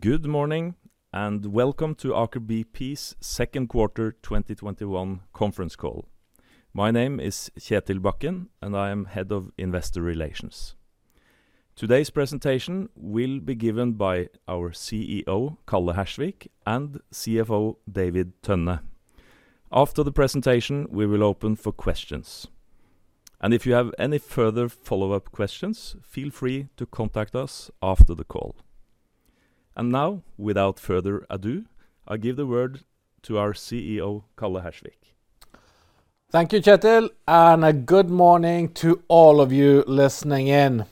Good morning, and welcome to Aker BP's second quarter 2021 conference call. My name is Kjetil Bakken, and I am Head of Investor Relations. Today's presentation will be given by our CEO, Karl Hersvik, and CFO, David Tønne. After the presentation, we will open for questions. If you have any further follow-up questions, feel free to contact us after the call. Now, without further ado, I give the word to our CEO, Karl Hersvik. Thank you, Kjetil, and a good morning to all of you listening in.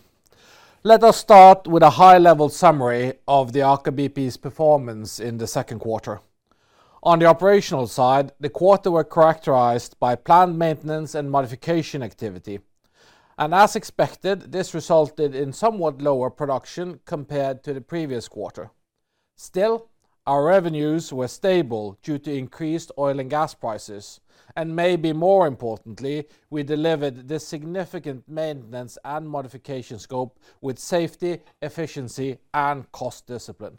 Let us start with a high-level summary of the Aker BP's performance in the second quarter. On the operational side, the quarter was characterized by planned maintenance and modification activity. As expected, this resulted in somewhat lower production compared to the previous quarter. Still, our revenues were stable due to increased oil and gas prices, and maybe more importantly, we delivered the significant maintenance and modification scope with safety, efficiency, and cost discipline.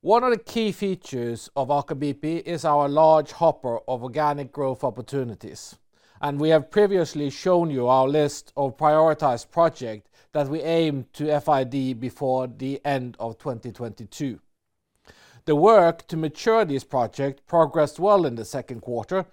One of the key features of Aker BP is our large hopper of organic growth opportunities, and we have previously shown you our list of prioritized project that we aim to FID before the end of 2022. The work to mature this project progressed well in the second quarter.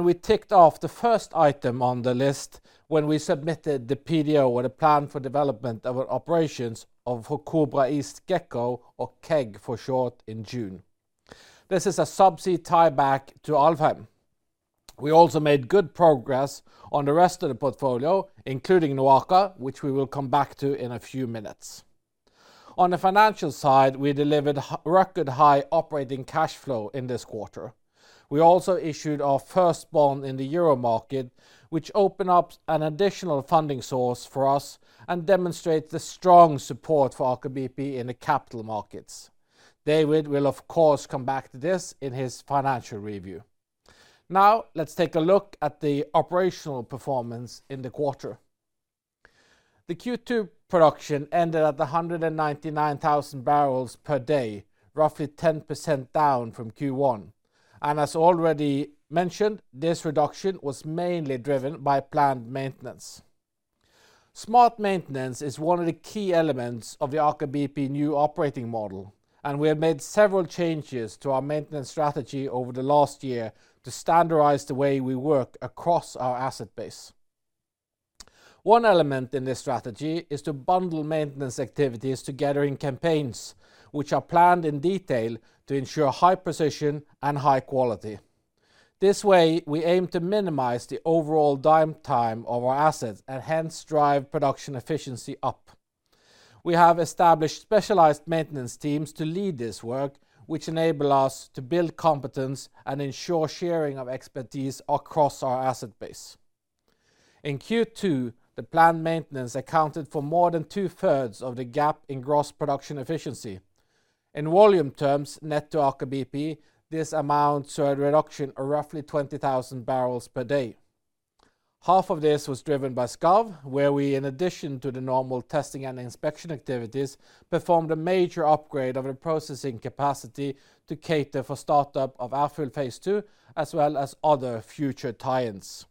We ticked off the first item on the list when we submitted the PDO, or the Plan for Development and Operation for Kobra East & Gekko, or KEG for short, in June. This is a subsea tieback to Alvheim. We also made good progress on the rest of the portfolio, including NOAKA, which we will come back to in a few minutes. On the financial side, we delivered record high operating cash flow in this quarter. We also issued our first bond in the Euro market, which open up an additional funding source for us and demonstrate the strong support for Aker BP in the capital markets. David will, of course, come back to this in his financial review. Let's take a look at the operational performance in the quarter. The Q2 production ended at 199,000 barrels per day, roughly 10% down from Q1. As already mentioned, this reduction was mainly driven by planned maintenance. Smart maintenance is one of the key elements of the Aker BP new operating model, and we have made several changes to our maintenance strategy over the last year to standardize the way we work across our asset base. One element in this strategy is to bundle maintenance activities together in campaigns, which are planned in detail to ensure high precision and high quality. This way, we aim to minimize the overall downtime of our assets and hence drive production efficiency up. We have established specialized maintenance teams to lead this work, which enable us to build competence and ensure sharing of expertise across our asset base. In Q2, the planned maintenance accounted for more than two-thirds of the gap in gross production efficiency. In volume terms, net to Aker BP, this amounts to a reduction of roughly 20,000 barrels per day. Half of this was driven by Skarv, where we, in addition to the normal testing and inspection activities, performed a major upgrade of the processing capacity to cater for startup of Ærfugl phase II, as well as other future tie-ins.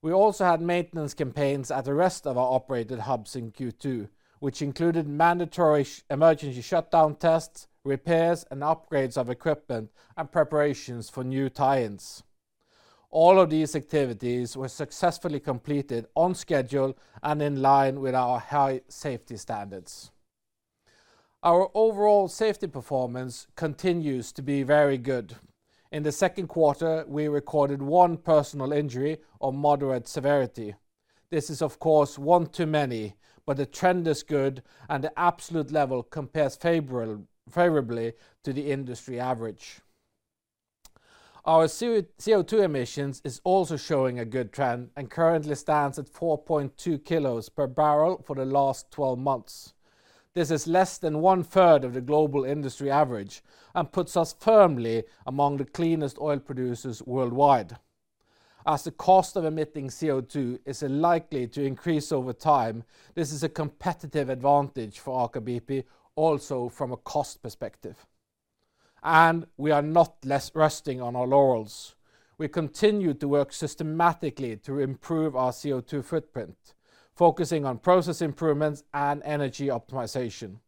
We also had maintenance campaigns at the rest of our operated hubs in Q2, which included mandatory emergency shutdown tests, repairs, and upgrades of equipment, and preparations for new tie-ins. All of these activities were successfully completed on schedule and in line with our high safety standards. Our overall safety performance continues to be very good. In the second quarter, we recorded one personal injury of moderate severity. This is, of course, one too many, but the trend is good, and the absolute level compares favorably to the industry average. Our CO2 emissions is also showing a good trend and currently stands at 4.2 kg per barrel for the last 12 months. This is less than one-third of the global industry average and puts us firmly among the cleanest oil producers worldwide. As the cost of emitting CO2 is likely to increase over time, this is a competitive advantage for Aker BP also from a cost perspective. We are not resting on our laurels. We continue to work systematically to improve our CO2 footprint, focusing on process improvements and energy optimization.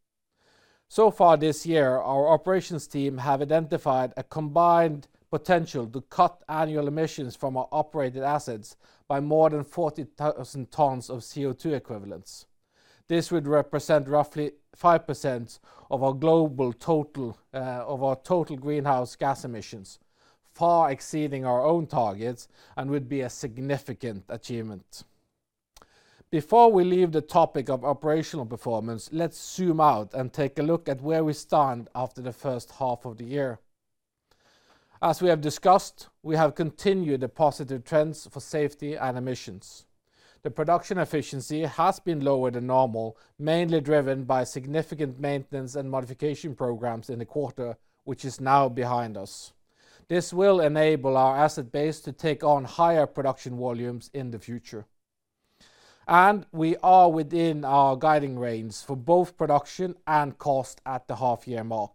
So far this year, our operations team have identified a combined potential to cut annual emissions from our operated assets by more than 40,000 tons of CO2 equivalents. This would represent roughly 5% of our total greenhouse gas emissions, far exceeding our own targets and would be a significant achievement. Before we leave the topic of operational performance, let's zoom out and take a look at where we stand after the first half of the year. As we have discussed, we have continued the positive trends for safety and emissions. The production efficiency has been lower than normal, mainly driven by significant maintenance and modification programs in the quarter, which is now behind us. This will enable our asset base to take on higher production volumes in the future. We are within our guiding range for both production and cost at the half-year mark.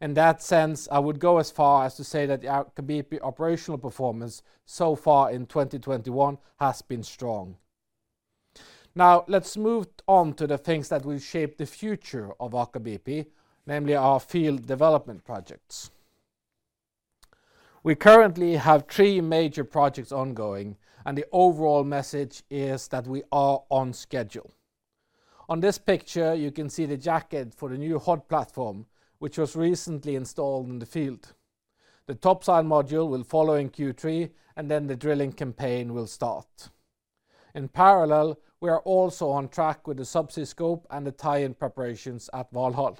In that sense, I would go as far as to say that the Aker BP operational performance so far in 2021 has been strong. Let's move on to the things that will shape the future of Aker BP, namely our field development projects. We currently have three major projects ongoing, and the overall message is that we are on schedule. On this picture, you can see the jacket for the new Hod platform, which was recently installed in the field. The topside module will follow in Q3, and then the drilling campaign will start. In parallel, we are also on track with the subsea scope and the tie-in preparations at Valhall.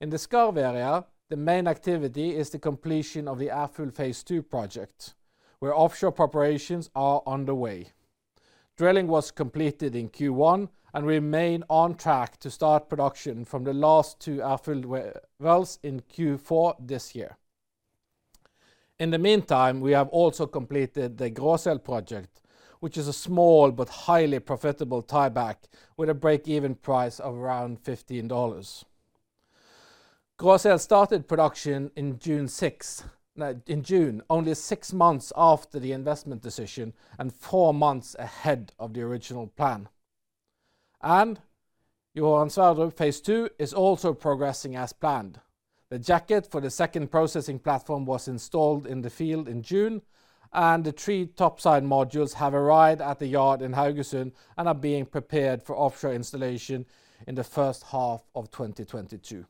In the Skarv area, the main activity is the completion of the Ærfugl phase II project, where offshore preparations are underway. Drilling was completed in Q1, and we remain on track to start production from the last two Ærfugl wells in Q4 this year. In the meantime, we have also completed the Gråsel project, which is a small but highly profitable tie-back with a break-even price of around $15. Gråsel started production in June, only six months after the investment decision and four months ahead of the original plan. Johan Sverdrup phase II is also progressing as planned. The jacket for the second processing platform was installed in the field in June, the three topside modules have arrived at the yard in Haugesund and are being prepared for offshore installation in the first half of 2022.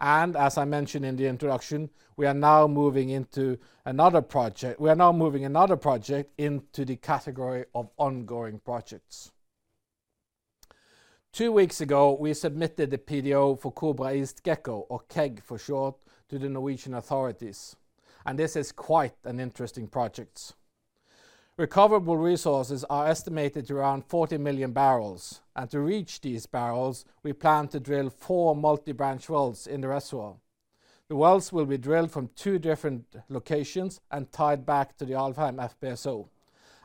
As I mentioned in the introduction, we are now moving another project into the category of ongoing projects. Two weeks ago, we submitted the PDO for Kobra East & Gekko, or KEG for short, to the Norwegian authorities, this is quite an interesting project. Recoverable resources are estimated to around 40 million barrels, to reach these barrels, we plan to drill four multi-branch wells in the reservoir. The wells will be drilled from two different locations and tied back to the Alvheim FPSO.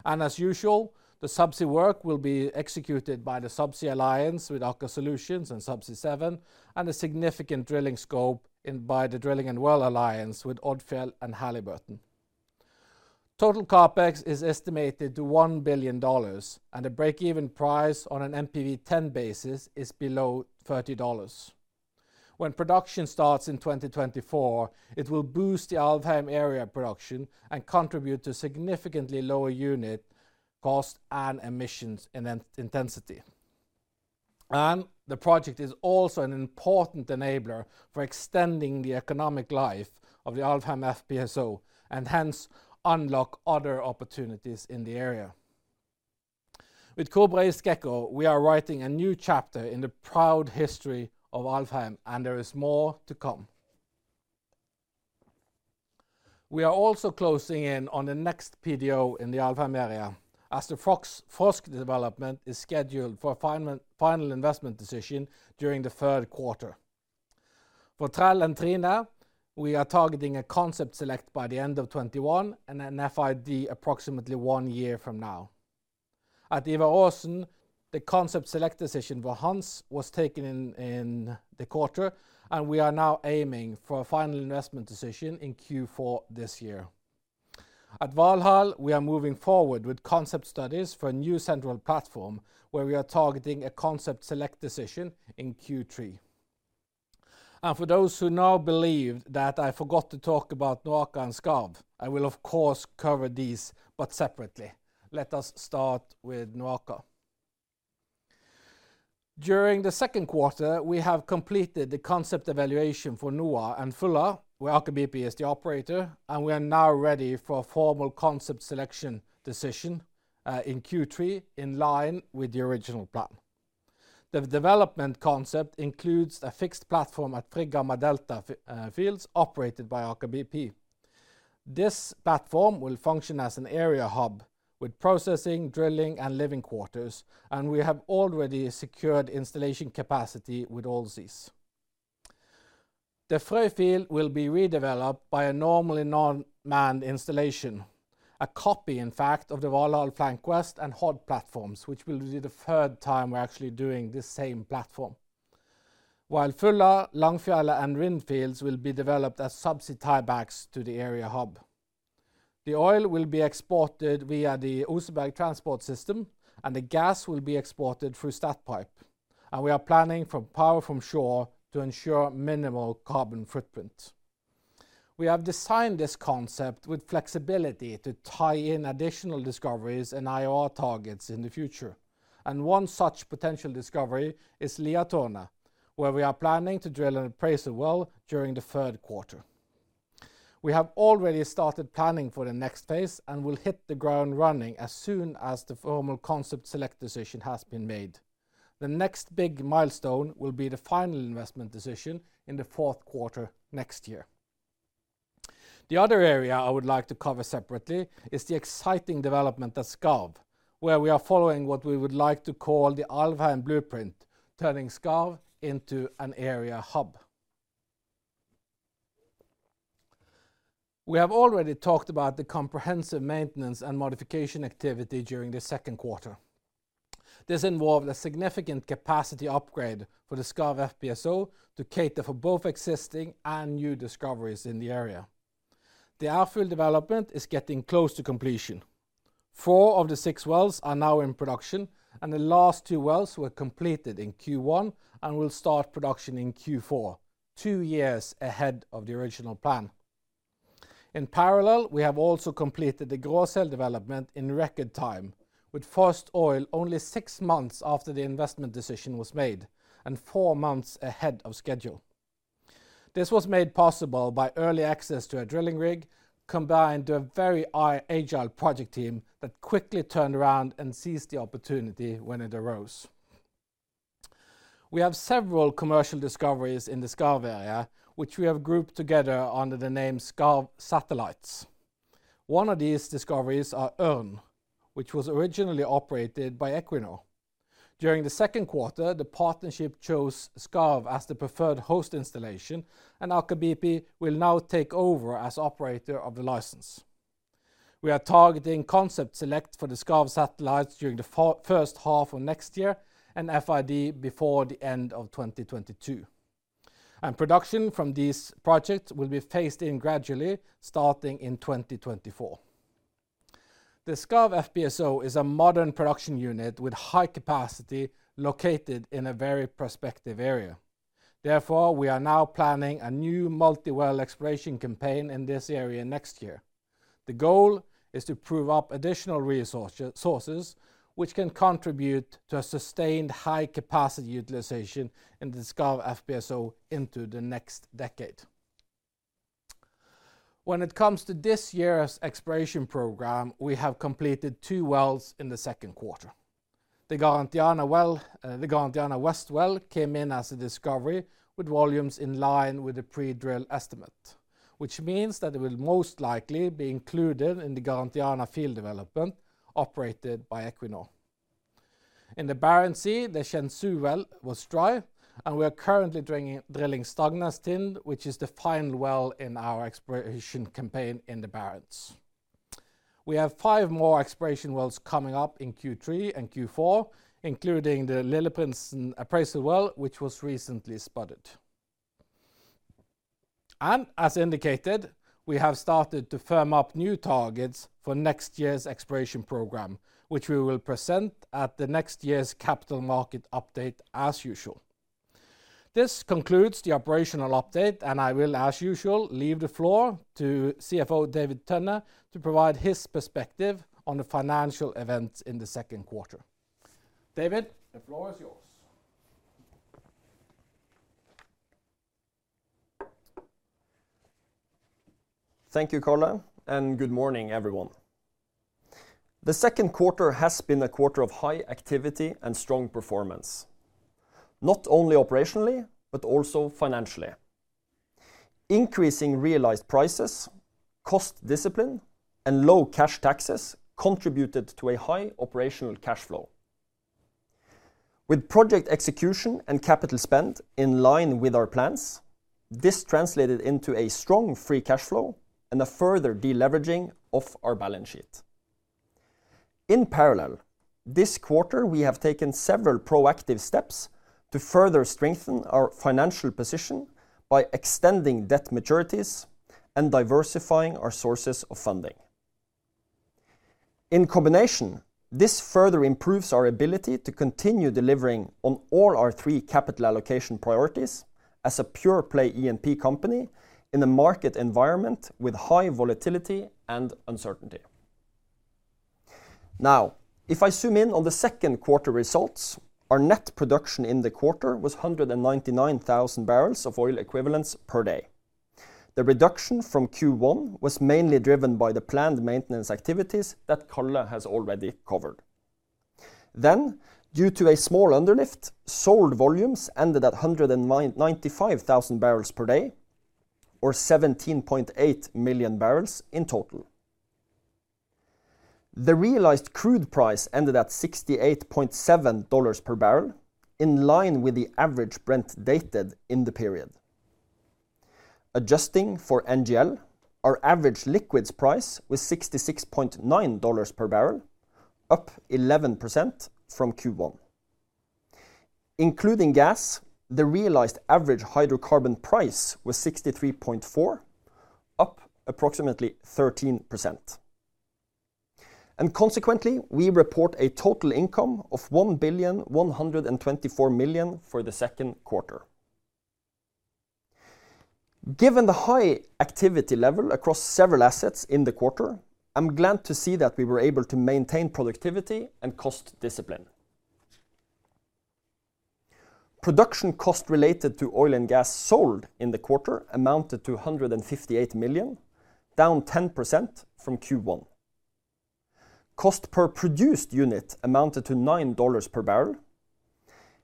As usual, the Subsea Alliance with Aker Solutions and Subsea 7 will execute the subsea work, and the Drilling and Wells Alliance with Odfjell and Halliburton will execute a significant drilling scope. Total CapEx is estimated to $1 billion, and a break-even price on an NPV10 basis is below $30. When production starts in 2024, it will boost the Alvheim area production and contribute to significantly lower unit cost and emissions intensity. The project is also an important enabler for extending the economic life of the Alvheim FPSO, and hence unlock other opportunities in the area. With Kobra East & Gekko, we are writing a new chapter in the proud history of Alvheim, and there is more to come. We are also closing in on the next PDO in the Alvheim area, as the Frosk development is scheduled for final investment decision during the third quarter. For Trell and Trine, we are targeting a concept select by the end of 2021 and an FID approximately one year from now. At Ivar Aasen, the concept select decision for Hanz was taken in the quarter, we are now aiming for a final investment decision in Q4 this year. At Valhall, we are moving forward with concept studies for a new central platform, where we are targeting a concept select decision in Q3. For those who now believe that I forgot to talk about NOAKA and Skarv, I will of course cover these, but separately. Let us start with NOAKA. During the second quarter, we have completed the concept evaluation for NOA and Fulla, where Aker BP is the operator, and we are now ready for a formal concept selection decision in Q3 in line with the original plan. The development concept includes a fixed platform at Frigg Gamma Delta fields operated by Aker BP. This platform will function as an area hub with processing, drilling, and living quarters. We have already secured installation capacity with Odfjell. The Frøy field will be redeveloped by a normally non-manned installation. A copy, in fact, of the Valhall Flank West and Hod platforms, which will be the third time we're actually doing the same platform. Fulla, Langfjellet and Rind fields will be developed as subsea tie-backs to the area hub. The oil will be exported via the Oseberg Transport System. The gas will be exported through Statpipe, and we are planning for power from shore to ensure minimal carbon footprint. We have designed this concept with flexibility to tie in additional discoveries and IOR targets in the future. One such potential discovery is Liatårnet, where we are planning to drill an appraisal well during the third quarter. We have already started planning for the next phase and will hit the ground running as soon as the formal concept select decision has been made. The next big milestone will be the final investment decision in the fourth quarter next year. The other area I would like to cover separately is the exciting development at Skarv, where we are following what we would like to call the Alvheim blueprint, turning Skarv into an area hub. We have already talked about the comprehensive maintenance and modification activity during the second quarter. This involved a significant capacity upgrade for the Skarv FPSO to cater for both existing and new discoveries in the area. The Alvheim development is getting close to completion. Four of the six wells are now in production, and the last two wells were completed in Q1 and will start production in Q4, two years ahead of the original plan. In parallel, we have also completed the Gråsel development in record time, with first oil only six months after the investment decision was made and four months ahead of schedule. This was made possible by early access to a drilling rig, combined with a very agile project team that quickly turned around and seized the opportunity when it arose. We have several commercial discoveries in the Skarv area, which we have grouped together under the name Skarv Satellites. One of these discoveries are Ørn, which was originally operated by Equinor. During the second quarter, the partnership chose Skarv as the preferred host installation, Aker BP will now take over as operator of the license. We are targeting concept select for the Skarv Satellites during the first half of next year and FID before the end of 2022. Production from these projects will be phased in gradually, starting in 2024. The Skarv FPSO is a modern production unit with high capacity, located in a very prospective area. Therefore, we are now planning a new multi-well exploration campaign in this area next year. The goal is to prove up additional resources which can contribute to a sustained high capacity utilization in the Skarv FPSO into the next decade. When it comes to this year's exploration program, we have completed two wells in the second quarter. The Garantiana West well came in as a discovery with volumes in line with the pre-drill estimate, which means that it will most likely be included in the Garantiana field development operated by Equinor. In the Barents Sea, the Shenzhou well was dry, and we are currently drilling Stangnestind, which is the final well in our exploration campaign in the Barents. We have five more exploration wells coming up in Q3 and Q4, including the Lilleprinsen appraisal well, which was recently spotted. As indicated, we have started to firm up new targets for next year's exploration program, which we will present at the next year's capital market update as usual. This concludes the operational update, and I will, as usual, leave the floor to CFO David Tønne to provide his perspective on the financial events in the second quarter. David, the floor is yours. Thank you, Karl. Good morning, everyone. The second quarter has been a quarter of high activity and strong performance, not only operationally but also financially. Increasing realized prices, cost discipline, and low cash taxes contributed to a high operational cash flow. With project execution and capital spend in line with our plans, this translated into a strong free cash flow and a further deleveraging of our balance sheet. This quarter, we have taken several proactive steps to further strengthen our financial position by extending debt maturities and diversifying our sources of funding. This further improves our ability to continue delivering on all our three capital allocation priorities as a pure-play E&P company in a market environment with high volatility and uncertainty. If I zoom in on the second quarter results, our net production in the quarter was 199,000 barrels of oil equivalents per day. The reduction from Q1 was mainly driven by the planned maintenance activities that Karl has already covered. Due to a small uplift, sold volumes ended at 195,000 barrels per day, or 17.8 million barrels in total. The realized crude price ended at $68.70 per barrel, in line with the average Brent dated in the period. Adjusting for NGL, our average liquids price was $66.90 per barrel, up 11% from Q1. Including gas, the realized average hydrocarbon price was $63.4, up approximately 13%. Consequently, we report a total income of $1,124,000,000 for the second quarter. Given the high activity level across several assets in the quarter, I'm glad to see that we were able to maintain productivity and cost discipline. Production cost related to oil and gas sold in the quarter amounted to $158 million, down 10% from Q1. Cost per produced unit amounted to $9 per barrel.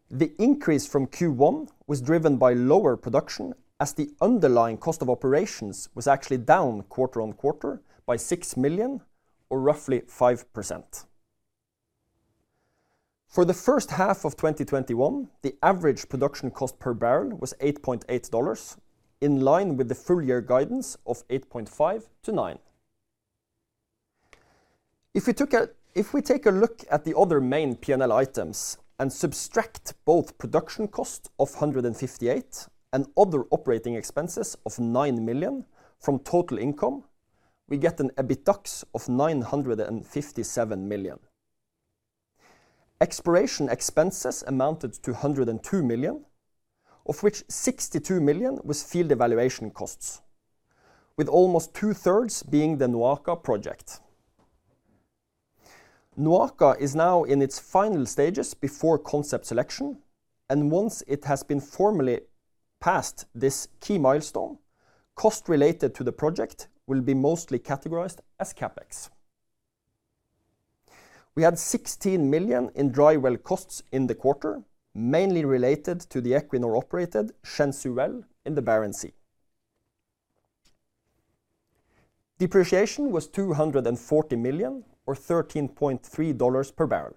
The increase from Q1 was driven by lower production as the underlying cost of operations was actually down quarter-on-quarter by 6 million or roughly 5%. For the first half of 2021, the average production cost per barrel was $8.80, in line with the full-year guidance of $8.50-$9.00. If we take a look at the other main P&L items and subtract both production cost of $158 million and other operating expenses of 9 million from total income, we get an EBITDAX of 957 million. Exploration expenses amounted to 102 million, of which 62 million was field evaluation costs, with almost two-thirds being the NOAKA project. NOAKA is now in its final stages before concept selection, once it has been formally past this key milestone, cost related to the project will be mostly categorized as CapEx. We had 16 million in dry well costs in the quarter, mainly related to the Equinor-operated Shenzhou well in the Barents Sea. Depreciation was 240 million, or $13.30 per barrel.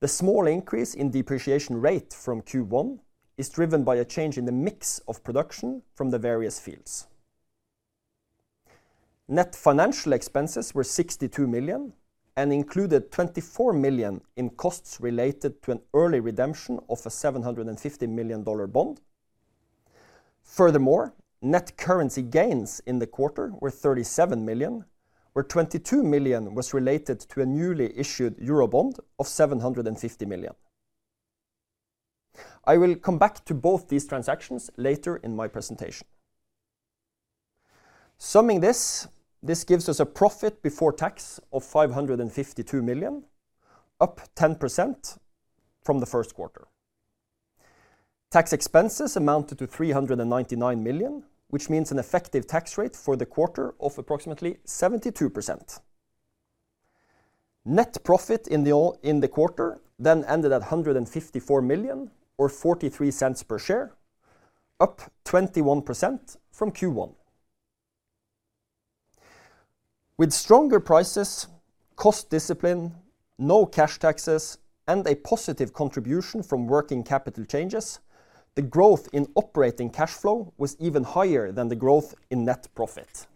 The small increase in depreciation rate from Q1 is driven by a change in the mix of production from the various fields. Net financial expenses were 62 million and included 24 million in costs related to an early redemption of a $750 million bond. Net currency gains in the quarter were 37 million, where 22 million was related to a newly issued Eurobond of 750 million. I will come back to both these transactions later in my presentation. Summing this, gives us a profit before tax of 552 million, up 10% from the first quarter. Tax expenses amounted to 399 million, which means an effective tax rate for the quarter of approximately 72%. Net profit in the quarter ended at 154 million, or 0.43 per share, up 21% from Q1. With stronger prices, cost discipline, no cash taxes, and a positive contribution from working capital changes, the growth in operating cash flow was even higher than the growth in net profit.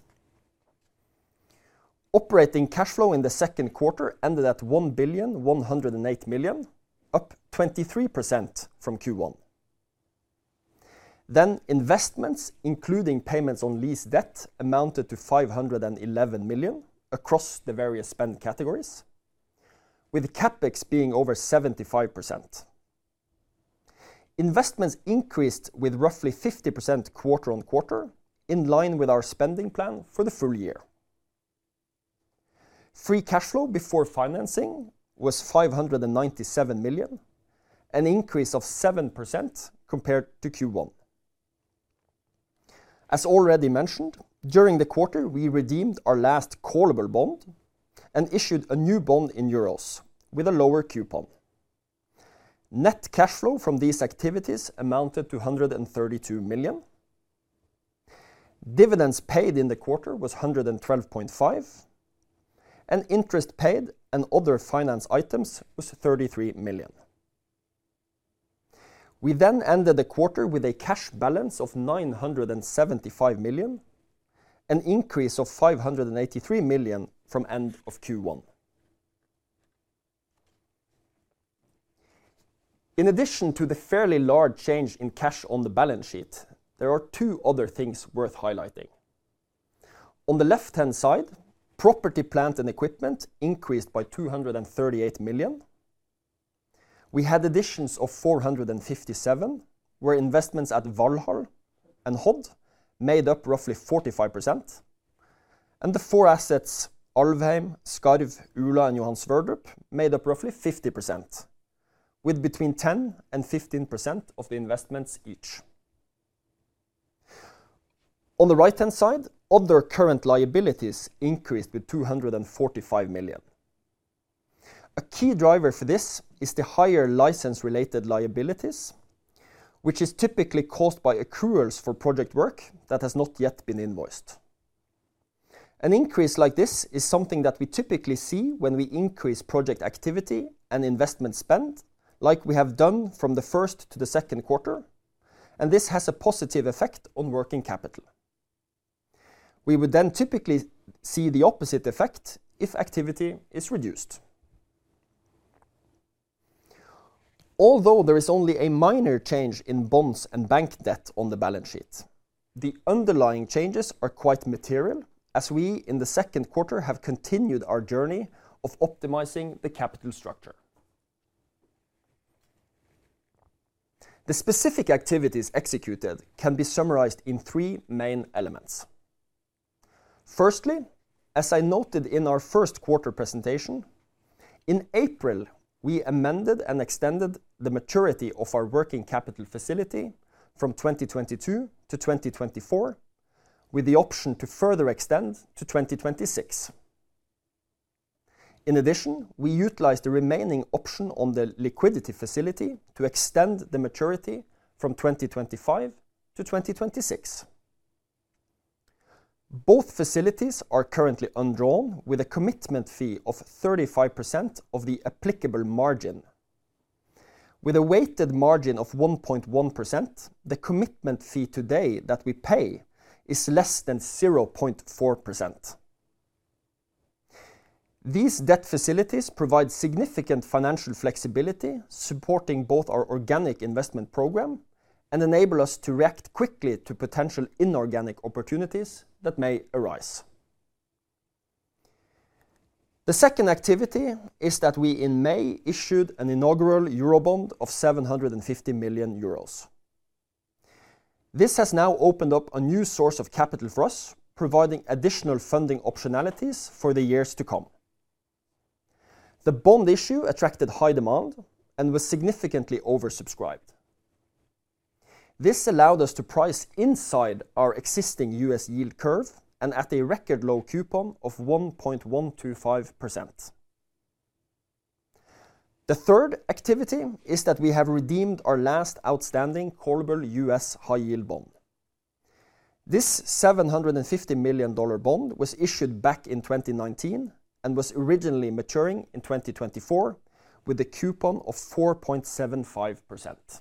Operating cash flow in the second quarter ended at 1,108 million, up 23% from Q1. Investments, including payments on lease debt, amounted to 511 million across the various spend categories, with CapEx being over 75%. Investments increased with roughly 50% quarter-on-quarter, in line with our spending plan for the full year. Free cash flow before financing was 597 million, an increase of 7% compared to Q1. As already mentioned, during the quarter, we redeemed our last callable bond and issued a new bond in euros with a lower coupon. Net cash flow from these activities amounted to 132 million. Dividends paid in the quarter was 112.5 and interest paid and other finance items was 33 million. We ended the quarter with a cash balance of 975 million, an increase of 583 million from end of Q1. In addition to the fairly large change in cash on the balance sheet, there are two other things worth highlighting. On the left-hand side, property, plant and equipment increased by 238 million. We had additions of 457, where investments at Valhall and Hod made up roughly 45%, and the four assets, Alvheim, Skarv, Ula, and Johan Sverdrup made up roughly 50%, with between 10%-15% of the investments each. On the right-hand side, other current liabilities increased with 245 million. A key driver for this is the higher license-related liabilities, which is typically caused by accruals for project work that has not yet been invoiced. An increase like this is something that we typically see when we increase project activity and investment spend like we have done from the first to the second quarter, and this has a positive effect on working capital. We would then typically see the opposite effect if activity is reduced. Although there is only a minor change in bonds and bank debt on the balance sheet, the underlying changes are quite material as we, in the second quarter, have continued our journey of optimizing the capital structure. The specific activities executed can be summarized in three main elements. Firstly, as I noted in our first quarter presentation, in April, we amended and extended the maturity of our working capital facility from 2022 to 2024, with the option to further extend to 2026. In addition, we utilized the remaining option on the liquidity facility to extend the maturity from 2025 to 2026. Both facilities are currently undrawn with a commitment fee of 35% of the applicable margin. With a weighted margin of 1.1%, the commitment fee today that we pay is less than 0.4%. These debt facilities provide significant financial flexibility, supporting both our organic investment program and enable us to react quickly to potential inorganic opportunities that may arise. The second activity is that we, in May, issued an inaugural Eurobond of 750 million euros. This has now opened up a new source of capital for us, providing additional funding optionalities for the years to come. The bond issue attracted high demand and was significantly oversubscribed. This allowed us to price inside our existing U.S. yield curve and at a record low coupon of 1.125%. The third activity is that we have redeemed our last outstanding callable U.S. high-yield bond. This $750 million bond was issued back in 2019 and was originally maturing in 2024 with a coupon of 4.75%.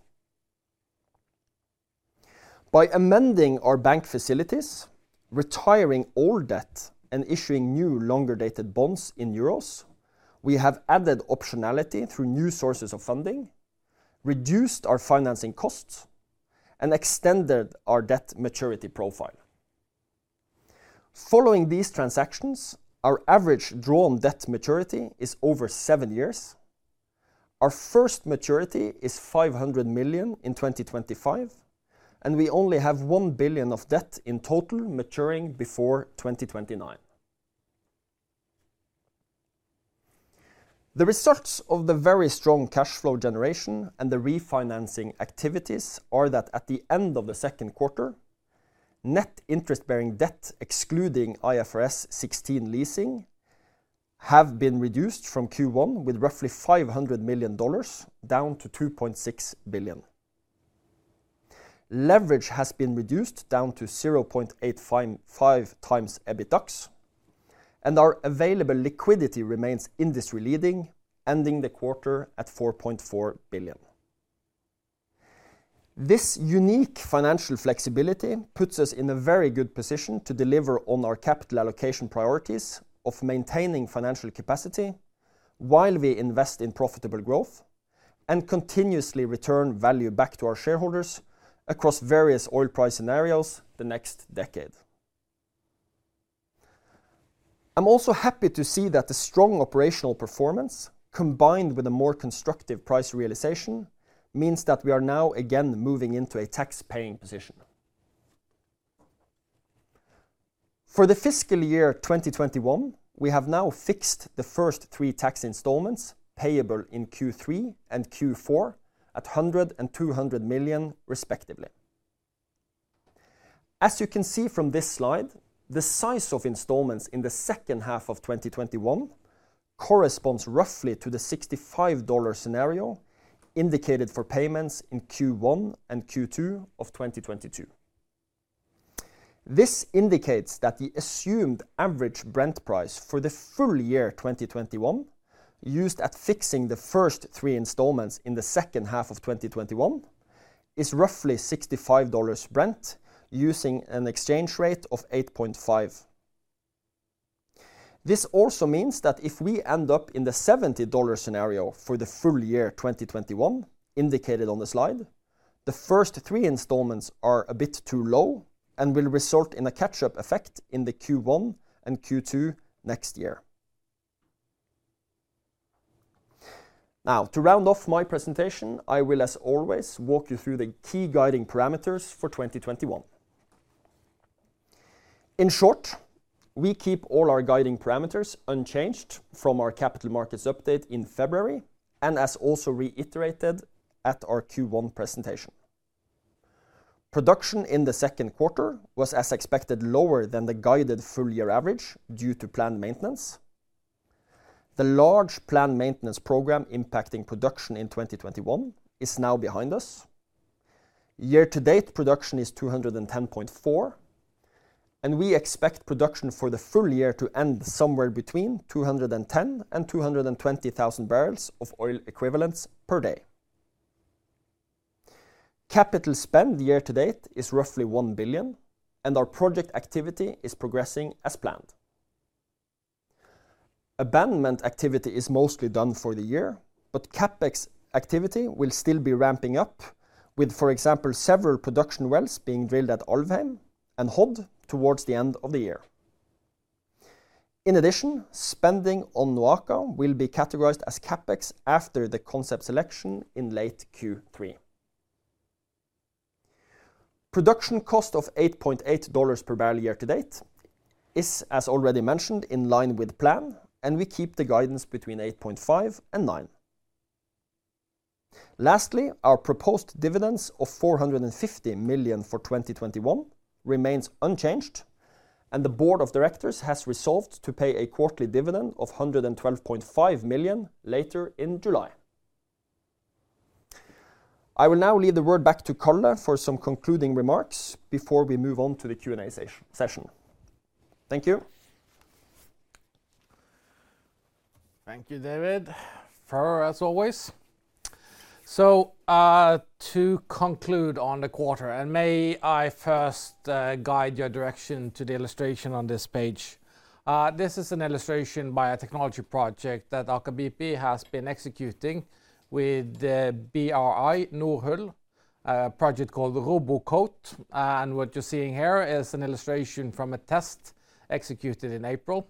By amending our bank facilities, retiring old debt, and issuing new longer-dated bonds in euros, we have added optionality through new sources of funding, reduced our financing costs, and extended our debt maturity profile. Following these transactions, our average drawn debt maturity is over seven years. Our first maturity is 500 million in 2025, and we only have 1 billion of debt in total maturing before 2029. The results of the very strong cash flow generation and the refinancing activities are that at the end of the second quarter, net interest-bearing debt excluding IFRS 16 leasing have been reduced from Q1 with roughly NOK 500 million down to 2.6 billion. Leverage has been reduced down to 0.85 times EBITDAX and our available liquidity remains industry-leading, ending the quarter at 4.4 billion. This unique financial flexibility puts us in a very good position to deliver on our capital allocation priorities of maintaining financial capacity while we invest in profitable growth and continuously return value back to our shareholders across various oil price scenarios the next decade. I'm also happy to see that the strong operational performance, combined with a more constructive price realization, means that we are now again moving into a tax-paying position. For the fiscal year 2021, we have now fixed the three tax installments payable in Q3 and Q4 at 100 million and 200 million respectively. As you can see from this slide, the size of installments in the second half of 2021 corresponds roughly to the $65 scenario indicated for payments in Q1 and Q2 of 2022. This indicates that the assumed average Brent price for the full year 2021 used at fixing the first three installments in the second half of 2021 is roughly $65 Brent using an exchange rate of 8.5. This also means that if we end up in the $70 scenario for the full year 2021 indicated on the slide, the first three installments are a bit too low and will result in a catch-up effect in the Q1 and Q2 next year. Now, to round off my presentation, I will, as always, walk you through the key guiding parameters for 2021. In short, we keep all our guiding parameters unchanged from our capital markets update in February and as also reiterated at our Q1 presentation. Production in the second quarter was, as expected, lower than the guided full-year average due to planned maintenance. The large planned maintenance program impacting production in 2021 is now behind us. Year-to-date production is 210.4, and we expect production for the full year to end somewhere between 210,000 and 220,000 barrels of oil equivalents per day. Capital spend year-to-date is roughly 1 billion, and our project activity is progressing as planned. Abandonment activity is mostly done for the year, but CapEx activity will still be ramping up with, for example, several production wells being drilled at Alvheim and Hod towards the end of the year. In addition, spending on NOAKA will be categorized as CapEx after the concept selection in late Q3. Production cost of NOK 8.8 per barrel year-to-date is, as already mentioned, in line with plan, we keep the guidance between 8.5 and 9. Lastly, our proposed dividends of 450 million for 2021 remains unchanged, and the board of directors has resolved to pay a quarterly dividend of 112.5 million later in July. I will now leave the word back to Karl for some concluding remarks before we move on to the Q&A session. Thank you. Thank you, David. Thorough, as always. To conclude on the quarter, may I first guide your direction to the illustration on this page. This is an illustration by a technology project that Aker BP has been executing with DNV GL, a project called RoboCoat, what you're seeing here is an illustration from a test executed in April.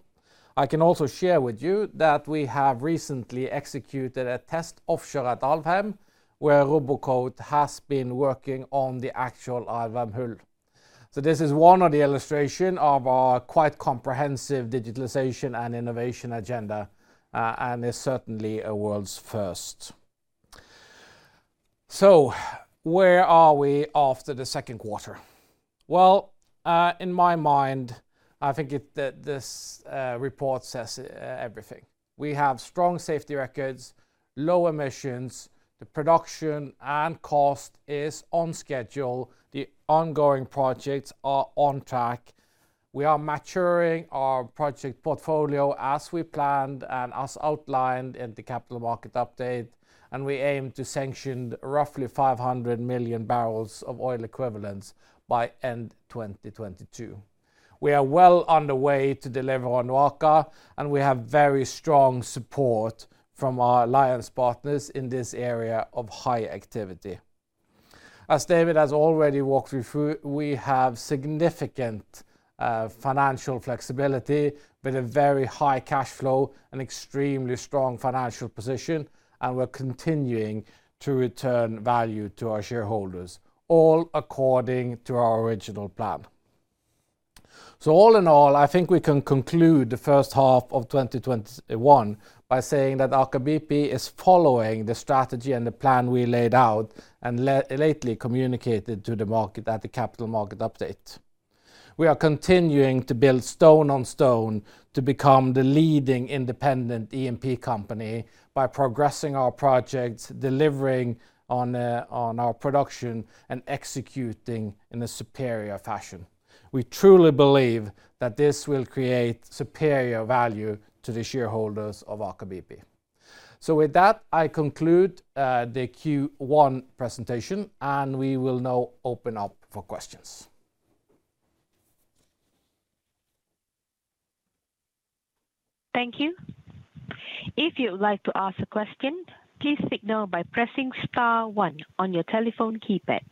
I can also share with you that we have recently executed a test offshore at Alvheim, where RoboCoat has been working on the actual Alvheim hull. This is one of the illustration of our quite comprehensive digitalization and innovation agenda, is certainly a world's first. Where are we after the second quarter? Well, in my mind, I think this report says everything. We have strong safety records, low emissions, the production and cost is on schedule. The ongoing projects are on track. We are maturing our project portfolio as we planned and as outlined in the Capital Market Update. We aim to sanction roughly 500 million barrels of oil equivalents by end 2022. We are well on the way to deliver on Aker BP. We have very strong support from our alliance partners in this area of high activity. As David has already walked you through, we have significant financial flexibility with a very high cash flow and extremely strong financial position. We're continuing to return value to our shareholders, all according to our original plan. All in all, I think we can conclude the first half of 2021 by saying that Aker BP is following the strategy and the plan we laid out and lately communicated to the market at the Capital Market Update. We are continuing to build stone on stone to become the leading independent E&P company by progressing our projects, delivering on our production, and executing in a superior fashion. We truly believe that this will create superior value to the shareholders of Aker BP. With that, I conclude the Q1 presentation, and we will now open up for questions. Thank you. If you would like to ask a question, please signal by pressing star one on your telephone keypad.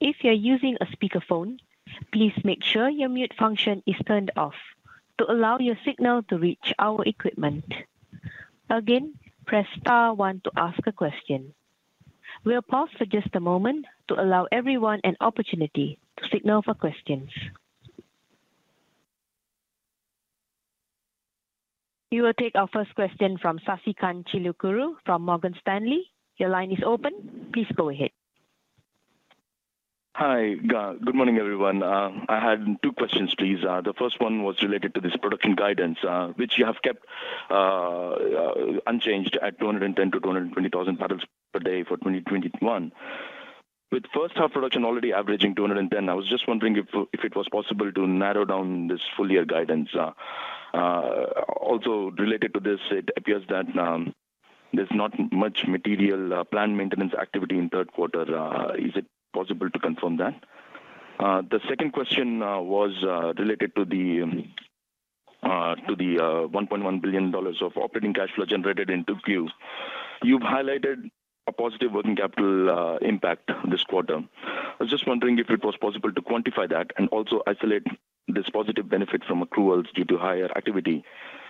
If you're using a speakerphone, please make sure your mute function is turned off to allow your signal to reach our equipment. Again, press star one to ask a question. We'll pause for just a moment to allow everyone an opportunity to signal for questions. You will take our first question from Sasikanth Chilukuru from Morgan Stanley. Your line is open. Please go ahead. Hi. Good morning, everyone. I had two questions, please. The first one was related to this production guidance, which you have kept unchanged at 210,000-220,000 barrels per day for 2021. With first half production already averaging 210,000, I was just wondering if it was possible to narrow down this full year guidance. Also related to this, it appears that there's not much material planned maintenance activity in third quarter. Is it possible to confirm that? The second question was related to the $1.1 billion of operating cash flow generated in Q2. You've highlighted a positive working capital impact this quarter. I was just wondering if it was possible to quantify that and also isolate this positive benefit from accruals due to higher activity.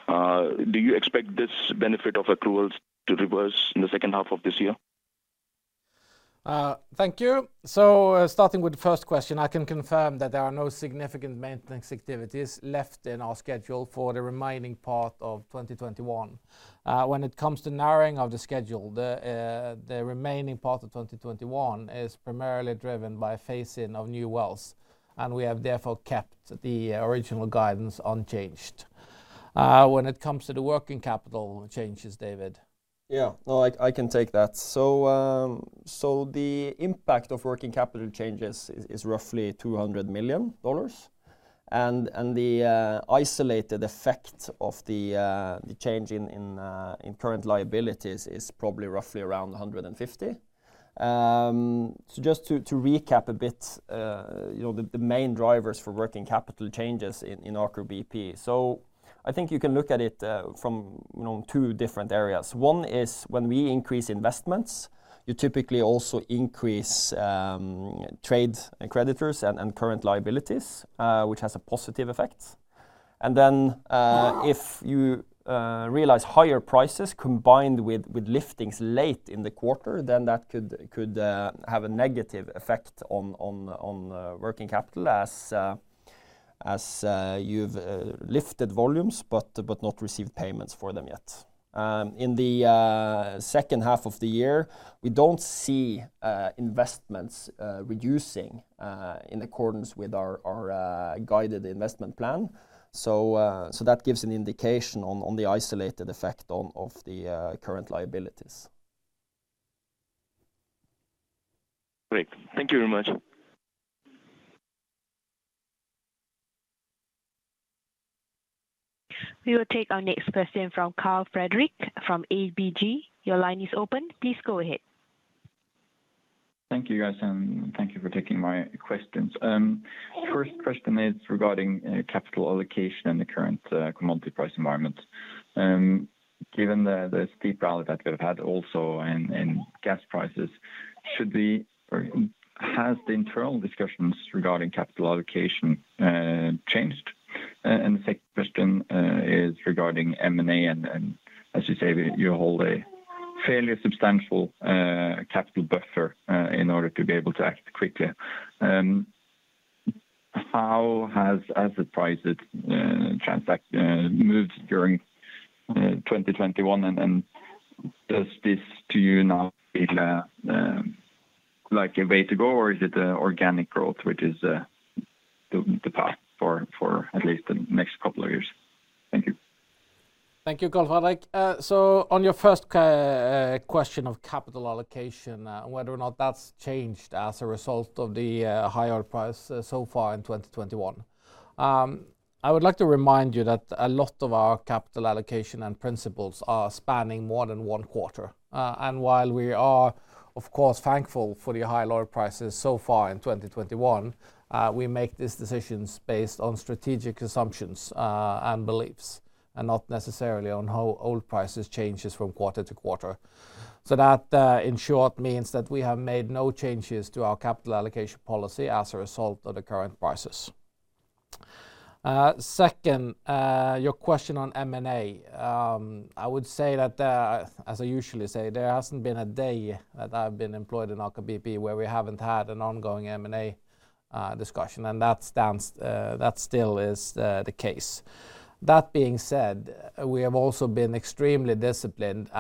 Do you expect this benefit of accruals to reverse in the second half of this year? Thank you. Starting with the first question, I can confirm that there are no significant maintenance activities left in our schedule for the remaining part of 2021. When it comes to narrowing of the schedule, the remaining part of 2021 is primarily driven by phase-in of new wells, and we have therefore kept the original guidance unchanged. When it comes to the working capital changes, David? I can take that. The impact of working capital changes is roughly $200 million. The isolated effect of the change in current liabilities is probably roughly around $150. Just to recap a bit, the main drivers for working capital changes in Aker BP. I think you can look at it from two different areas. One is when we increase investments, you typically also increase trade and creditors and current liabilities, which has a positive effect. If you realize higher prices combined with liftings late in the quarter, that could have a negative effect on working capital as you've lifted volumes but not received payments for them yet. In the second half of the year, we don't see investments reducing in accordance with our guided investment plan. That gives an indication on the isolated effect of the current liabilities. Great. Thank you very much. We will take our next question from Carl-Fredrik from ABG. Your line is open. Please go ahead. Thank you, guys, and thank you for taking my questions. First question is regarding capital allocation in the current commodity price environment. Given the steep rally that we've had also in gas prices, has the internal discussions regarding capital allocation changed? The second question is regarding M&A and, as you say, you hold a fairly substantial capital buffer in order to be able to act quickly. How has asset prices moved during 2021 and does this to you now feel like a way to go, or is it organic growth, which is the path for at least the next couple of years? Thank you. Thank you, Carl-Fredrik. On your first question of capital allocation, whether or not that's changed as a result of the higher oil price so far in 2021. While we are, of course, thankful for the high oil prices so far in 2021, we make these decisions based on strategic assumptions and beliefs and not necessarily on how oil prices changes from quarter-to-quarter. That, in short, means that we have made no changes to our capital allocation policy as a result of the current prices. Second, your question on M&A. I would say that, as I usually say, there hasn't been a day that I've been employed in Aker BP where we haven't had an ongoing M&A discussion, and that still is the case. That being said, we have also been extremely disciplined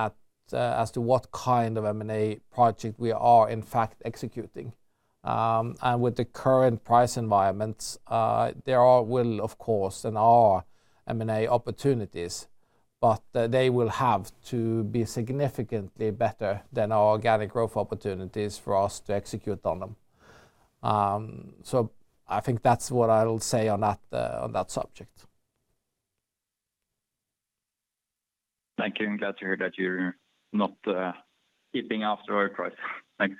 as to what kind of M&A project we are in fact executing. With the current price environment, there will, of course, and are M&A opportunities, but they will have to be significantly better than our organic growth opportunities for us to execute on them. I think that's what I'll say on that subject. Thank you. I'm glad to hear that you're not keeping after oil price. Thanks.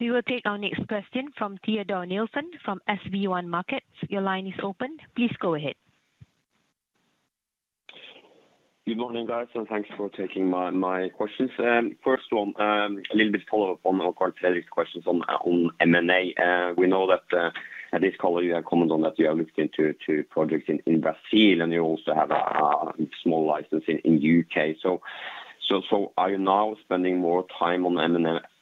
We will take our next question from Teodor Nilsen from SB1 Markets. Your line is open. Please go ahead. Good morning, guys. Thanks for taking my questions. First one, a little bit follow-up on Carl-Fredrik's questions on M&A. We know that at this call you have commented on that you are looking into projects in Brazil, and you also have a small license in U.K. Are you now spending more time on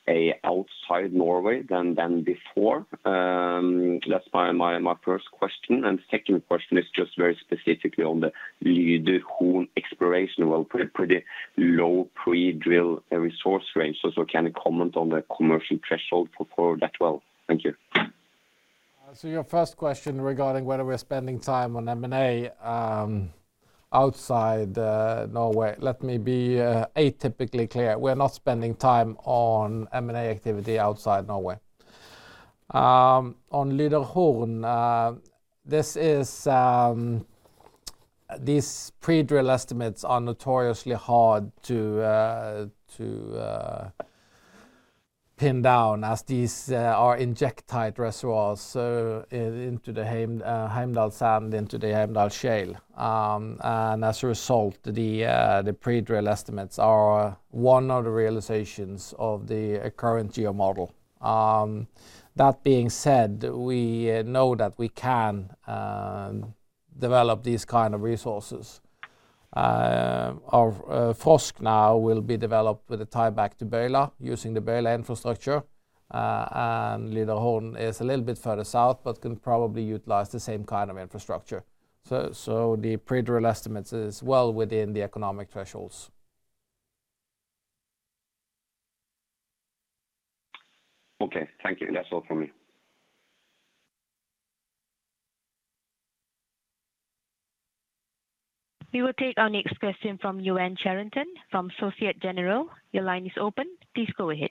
M&A outside Norway than before? That's my first question. Second question is just very specifically on the Lyderhorn exploration well, pretty low pre-drill resource range. Can you comment on the commercial threshold for that well? Thank you. Your first question regarding whether we're spending time on M&A outside Norway. Let me be atypically clear. We're not spending time on M&A activity outside Norway. On Lyderhorn, these pre-drill estimates are notoriously hard to pin down as these are injectite reservoirs into the Heimdal Sand, into the Heimdal shale. As a result, the pre-drill estimates are one of the realizations of the current geo model. That being said, we know that we can develop these kind of resources. Our Frosk now will be developed with a tieback to Bøyla using the Bøyla infrastructure. Lyderhorn is a little bit further south, but can probably utilize the same kind of infrastructure. The pre-drill estimates is well within the economic thresholds. Okay. Thank you. That's all from me. We will take our next question from Yoann Charenton from Société Générale. Your line is open. Please go ahead.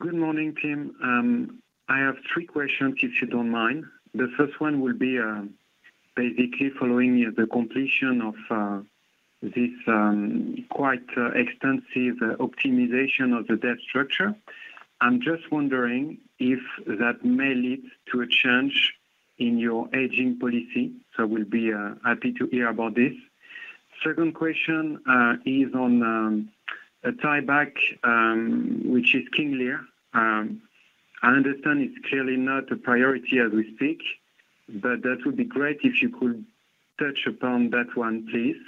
Good morning, team. I have three questions, if you don't mind. The first one will be basically following the completion of this quite extensive optimization of the debt structure. I'm just wondering if that may lead to a change in your hedging policy, so we'll be happy to hear about this. Second question is on a tieback, which is King Lear. I understand it's clearly not a priority as we speak, but that would be great if you could touch upon that one, please,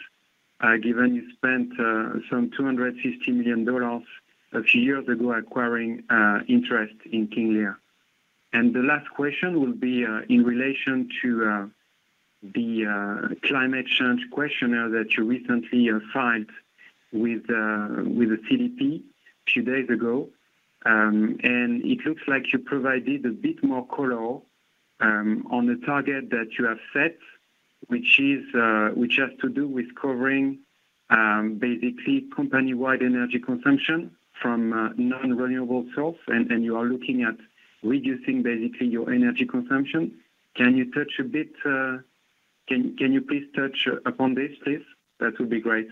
given you spent some $250 million a few years ago acquiring interest in King Lear. The last question will be in relation to the climate change questionnaire that you recently filed with the CDP few days ago. It looks like you provided a bit more color on the target that you have set, which has to do with covering basically company-wide energy consumption from non-renewable source, and you are looking at reducing basically your energy consumption. Can you please touch upon this, please? That would be great.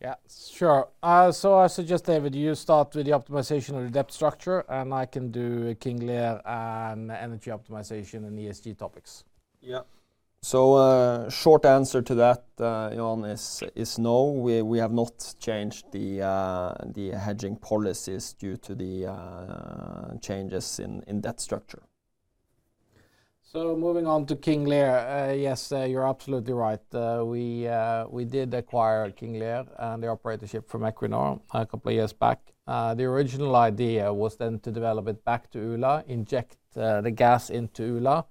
Yeah, sure. I suggest, David, you start with the optimization of the debt structure, and I can do King Lear and energy optimization and ESG topics. Yeah. Short answer to that, Yoann, is no. We have not changed the hedging policies due to the changes in debt structure. Moving on to King Lear. Yes, you're absolutely right. We did acquire King Lear and the operatorship from Equinor a couple of years back. The original idea was then to develop it back to Ula, inject the gas into Ula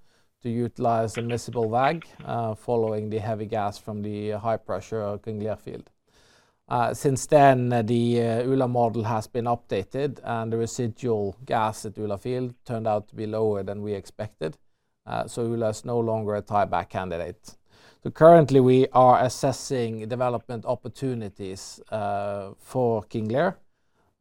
to utilize the miscible WAG following the heavy gas from the high pressure of King Lear field. The Ula model has been updated, and the residual gas at Ula field turned out to be lower than we expected. Ula is no longer a tie-back candidate. Currently we are assessing development opportunities for King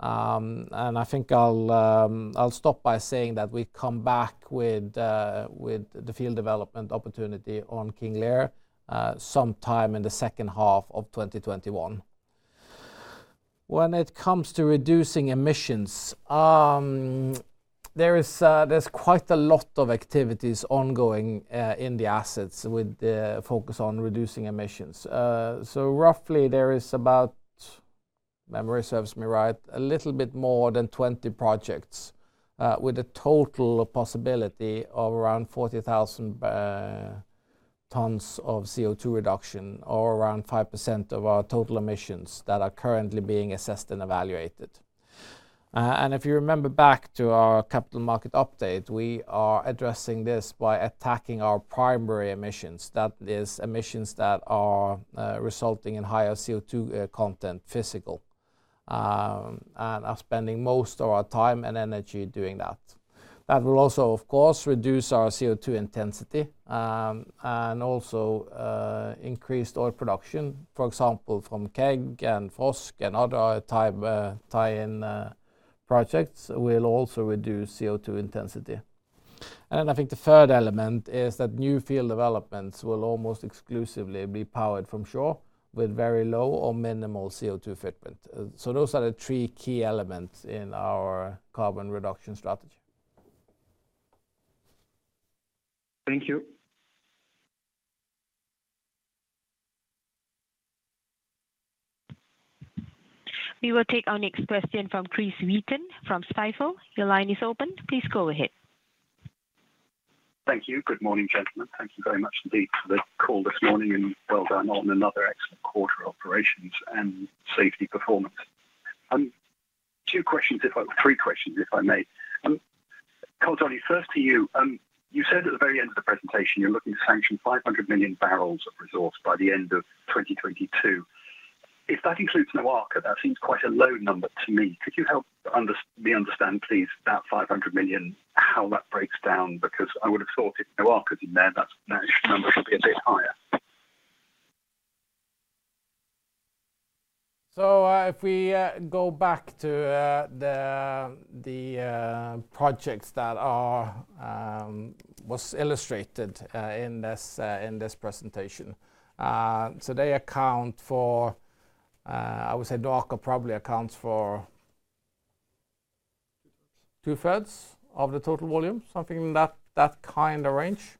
Lear. I think I'll stop by saying that we come back with the field development opportunity on King Lear sometime in the second half of 2021. When it comes to reducing emissions, there's quite a lot of activities ongoing in the assets with the focus on reducing emissions. Roughly there is about, if memory serves me right, a little bit more than 20 projects, with a total possibility of around 40,000 tons of CO2 reduction, or around 5% of our total emissions that are currently being assessed and evaluated. If you remember back to our capital market update, we are addressing this by attacking our primary emissions. That is emissions that are resulting in higher CO2 content physical, and are spending most of our time and energy doing that. That will also, of course, reduce our CO2 intensity, and also increased oil production, for example, from KEG and Frosk and other tie-in projects will also reduce CO2 intensity. I think the third element is that new field developments will almost exclusively be powered from shore with very low or minimal CO2 footprint. Those are the three key elements in our carbon reduction strategy. Thank you. We will take our next question from Chris Wheaton from Stifel. Your line is open. Please go ahead. Thank you. Good morning, gentlemen. Thank you very much indeed for the call this morning, and well done on another excellent quarter operations and safety performance. Two questions, three questions, if I may. Karl Johnny, first to you. You said at the very end of the presentation you're looking to sanction 500 million barrels of resource by the end of 2022. If that includes NOAKA, that seems quite a low number to me. Could you help me understand, please, that 500 million, how that breaks down? I would have thought if NOAKA is in there, that number would be a bit higher. If we go back to the projects that was illustrated in this presentation. They account for, I would say NOAKA probably accounts for two thirds of the total volume, something in that kind of range.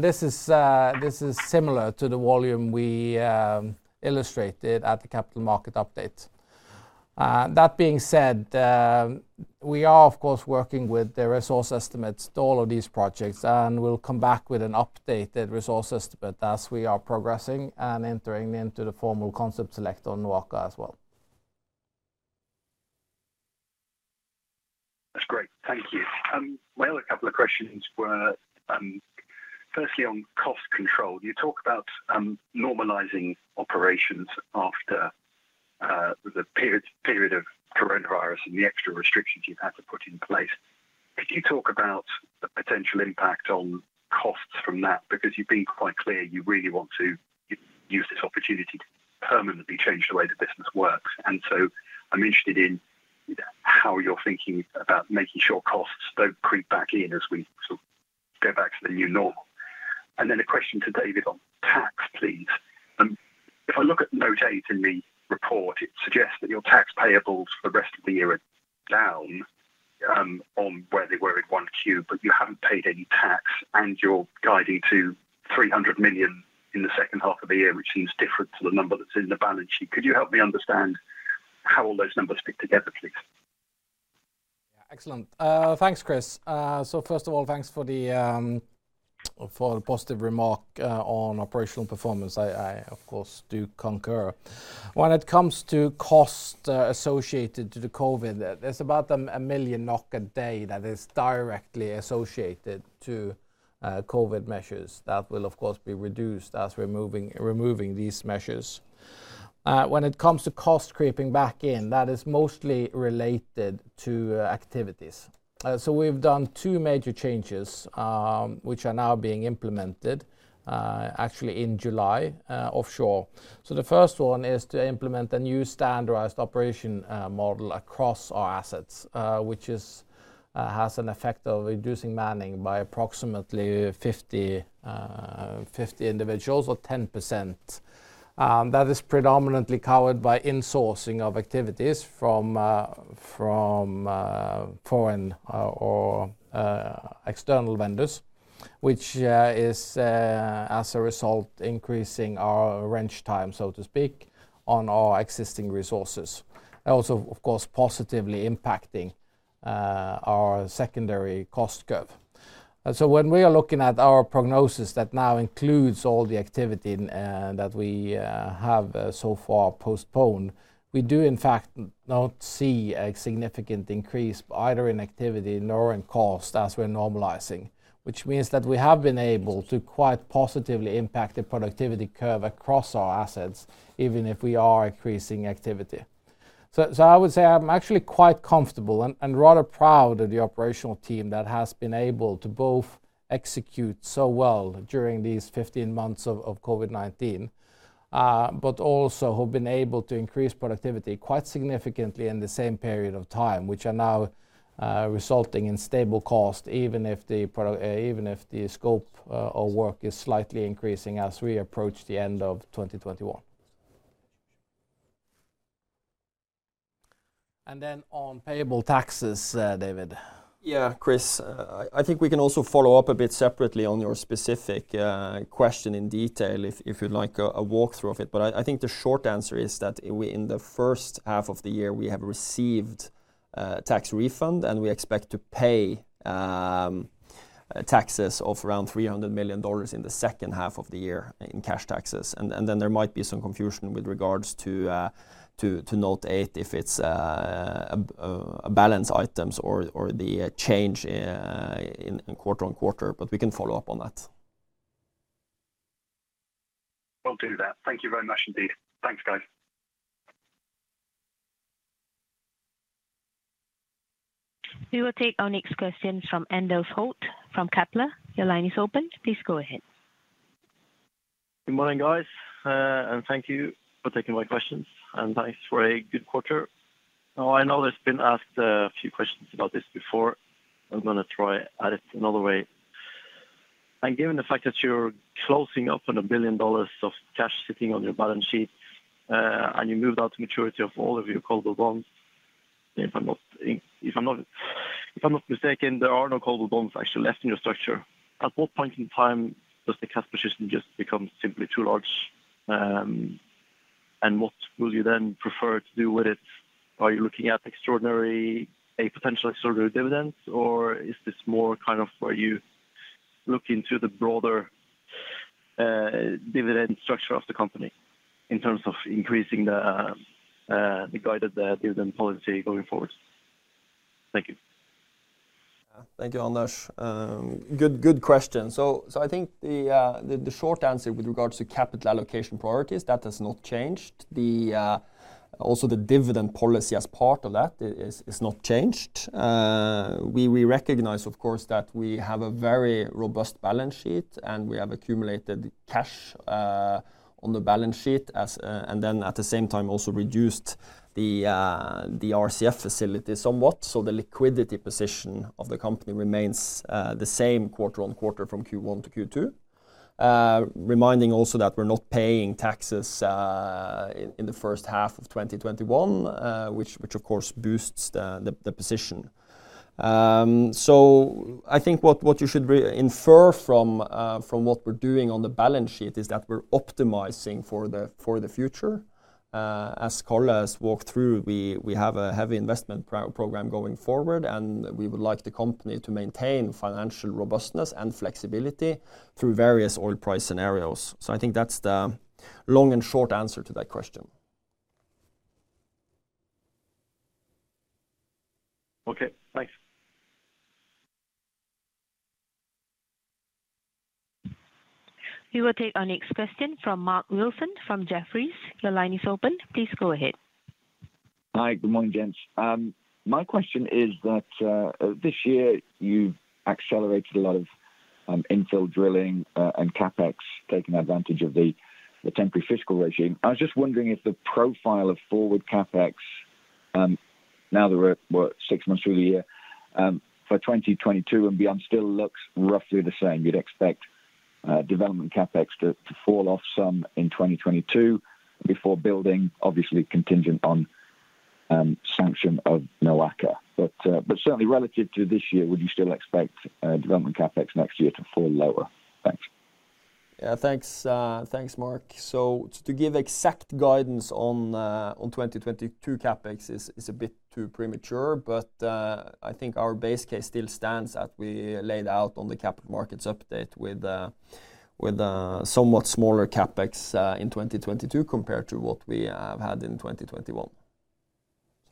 This is similar to the volume we illustrated at the capital market update. That being said, we are of course, working with the resource estimates to all of these projects, and we'll come back with an updated resource estimate as we are progressing and entering into the formal concept select on NOAKA as well. That's great. Thank you. My other couple of questions were firstly on cost control. You talk about normalizing operations after the period of coronavirus and the extra restrictions you've had to put in place. Could you talk about the potential impact on costs from that? Because you've been quite clear you really want to use this opportunity to permanently change the way the business works. I'm interested in how you're thinking about making sure costs don't creep back in as we sort of go back to the new normal. Then a question to David on tax, please. If I look at note eight in the report, it suggests that your tax payables for the rest of the year are down on where they were in 1Q, but you haven't paid any tax and you're guiding to 300 million in the second half of the year, which seems different to the number that's in the balance sheet. Could you help me understand how all those numbers fit together, please? Yeah. Excellent. Thanks, Chris. First of all, thanks for the positive remark on operational performance. I of course do concur. When it comes to cost associated to COVID, there's about 1 million NOK a day that is directly associated to COVID measures. That will of course be reduced as we're removing these measures. When it comes to cost creeping back in, that is mostly related to activities. We've done two major changes which are now being implemented actually in July offshore. The first one is to implement a new standardized operation model across our assets which has an effect of reducing manning by approximately 50 individuals or 10%. That is predominantly covered by insourcing of activities from foreign or external vendors, which is as a result increasing our wrench time, so to speak, on our existing resources. Also, of course, positively impacting our secondary cost curve. When we are looking at our prognosis that now includes all the activity that we have so far postponed, we do in fact not see a significant increase either in activity nor in cost as we're normalizing. Which means that we have been able to quite positively impact the productivity curve across our assets, even if we are increasing activity. I would say I'm actually quite comfortable and rather proud of the operational team that has been able to both execute so well during these 15 months of COVID-19. Also who've been able to increase productivity quite significantly in the same period of time, which are now resulting in stable cost, even if the scope of work is slightly increasing as we approach the end of 2021. On payable taxes, David. Yeah, Chris, I think we can also follow up a bit separately on your specific question in detail if you'd like a walkthrough of it. I think the short answer is that in the first half of the year, we have received a tax refund and we expect to pay taxes of around $300 million in the second half of the year in cash taxes. There might be some confusion with regards to note eight if it's a balance items or the change in quarter-on-quarter. We can follow up on that. Will do that. Thank you very much indeed. Thanks, guys. We will take our next question from Anders Holte from Kepler. Your line is open. Please go ahead. Good morning, guys, and thank you for taking my questions and thanks for a good quarter. Now I know there's been asked a few questions about this before. I'm going to try at it another way. Given the fact that you're closing up on $1 billion of cash sitting on your balance sheet, and you moved out the maturity of all of your callable bonds. If I'm not mistaken, there are no callable bonds actually left in your structure. At what point in time does the cash position just become simply too large? What will you then prefer to do with it? Are you looking at a potential extraordinary dividend, or is this more where you look into the broader dividend structure of the company in terms of increasing the guided dividend policy going forward? Thank you. Thank you, Anders. Good question. I think the short answer with regards to capital allocation priorities, that has not changed. The dividend policy as part of that has not changed. We recognize of course that we have a very robust balance sheet, and we have accumulated cash on the balance sheet, and then at the same time also reduced the RCF facility somewhat. The liquidity position of the company remains the same quarter on quarter from Q1 to Q2. Reminding also that we're not paying taxes in the first half of 2021, which of course boosts the position. I think what you should really infer from what we're doing on the balance sheet is that we're optimizing for the future. As Karl has walked through, we have a heavy investment program going forward, and we would like the company to maintain financial robustness and flexibility through various oil price scenarios. I think that's the long and short answer to that question. Okay, thanks. We will take our next question from Mark Wilson from Jefferies. Your line is open. Please go ahead. Hi. Good morning, gents. My question is this year you've accelerated a lot of infill drilling and CapEx taking advantage of the temporary fiscal regime. I was just wondering if the profile of forward CapEx, now that we're six months through the year, for 2022 and beyond still looks roughly the same. You'd expect development CapEx to fall off some in 2022 before building, obviously contingent on sanction of NOAKA. Certainly relative to this year, would you still expect development CapEx next year to fall lower? Thanks. Thanks, Mark. To give exact guidance on 2022 CapEx is a bit too premature, but I think our base case still stands that we laid out on the capital markets update with a somewhat smaller CapEx in 2022 compared to what we have had in 2021.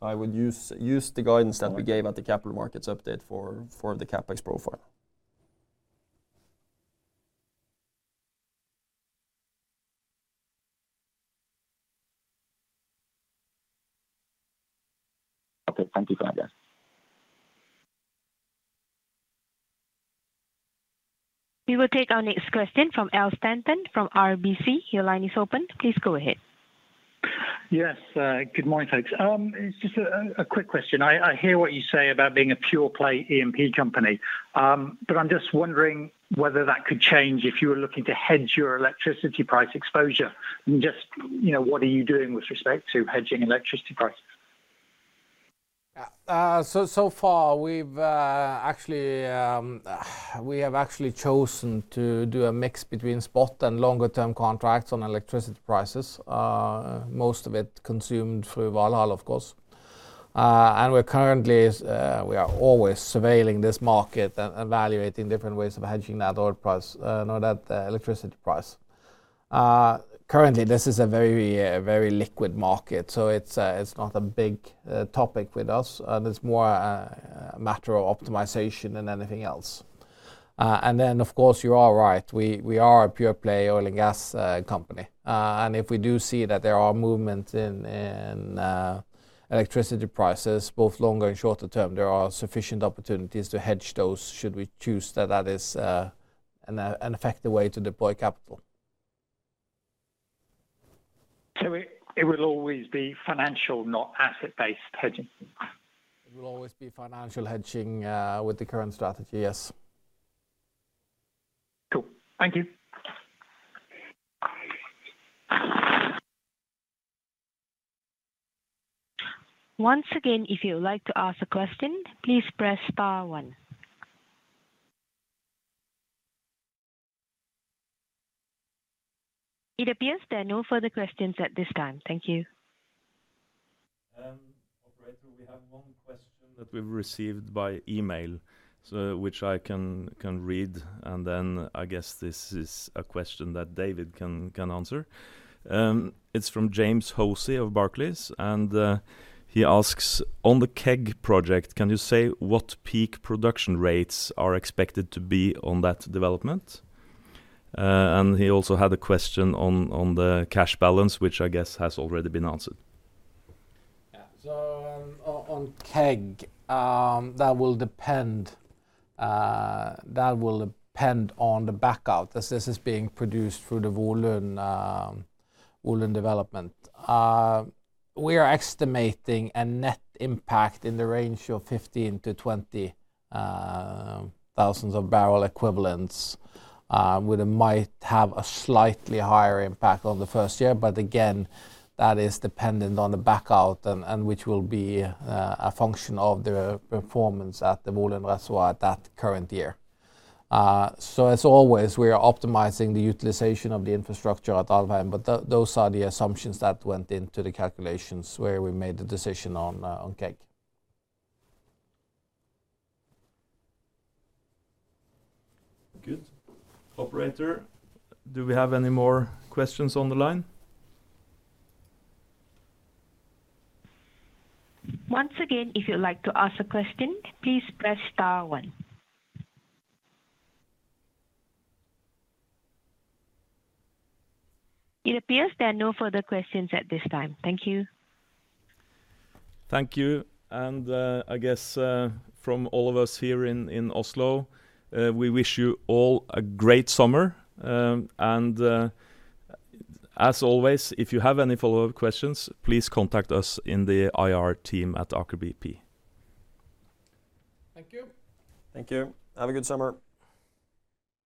I would use the guidance that we gave at the capital markets update for the CapEx profile. Okay, thank you, Anders. We will take our next question from Al Stanton from RBC. Your line is open. Please go ahead. Yes. Good morning, folks. It is just a quick question. I hear what you say about being a pure-play E&P company, but I am just wondering whether that could change if you were looking to hedge your electricity price exposure and just what are you doing with respect to hedging electricity prices? So far we have actually chosen to do a mix between spot and longer-term contracts on electricity prices. Most of it consumed through Valhall, of course. We are always surveilling this market and evaluating different ways of hedging that oil price, no, that electricity price. Currently, this is a very liquid market, so it is not a big topic with us. It is more a matter of optimization than anything else. Then, of course, you are right, we are a pure-play oil and gas company. If we do see that there are movements in electricity prices, both longer and shorter term, there are sufficient opportunities to hedge those should we choose that is an effective way to deploy capital. It will always be financial, not asset-based hedging? It will always be financial hedging with the current strategy, yes. Cool. Thank you. Once again, if you would like to ask a question, please press star one. It appears there are no further questions at this time. Thank you. Operator, we have one question that we've received by email, which I can read, and then I guess this is a question that David can answer. It's from James Hosie of Barclays, and he asks, On the KEG project, can you say what peak production rates are expected to be on that development? He also had a question on the cash balance, which I guess has already been answered. Yeah. On KEG, that will depend on the backout as this is being produced through the Volund development. We are estimating a net impact in the range of 15,000-20,000 barrel equivalents with a might have a slightly higher impact on the first year. Again, that is dependent on the backout and which will be a function of the performance at the Volund reservoir that current year. As always, we are optimizing the utilization of the infrastructure at Alvheim, those are the assumptions that went into the calculations where we made the decision on KEG. Good. Operator, do we have any more questions on the line? It appears there are no further questions at this time. Thank you. Thank you. I guess, from all of us here in Oslo, we wish you all a great summer. As always, if you have any follow-up questions, please contact us in the IR team at Aker BP. Thank you. Thank you. Have a good summer.